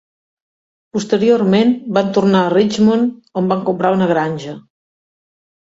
Posteriorment van tornar a Richmond, on van comprar una granja.